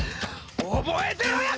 覚えてろよ